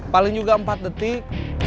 paling juga empat detik